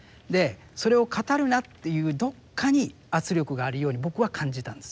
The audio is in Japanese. それを語るなっていうどっかに圧力があるように僕は感じたんです。